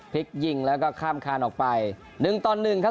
พลิกยิงแล้วก็ข้ามคานออกไป๑ต่อ๑ครับ